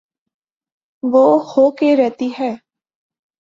وہ ہو کے رہتی ہے۔